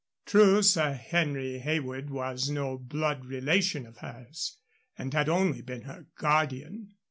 True, Sir Henry Heywood was no blood relation of hers, and had only been her guardian.